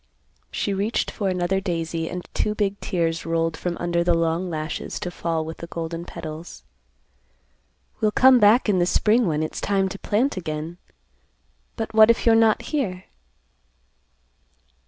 She reached for another daisy and two big tears rolled from under the long lashes to fall with the golden petals. "We'll come back in the spring when it's time to plant again, but what if you're not here?"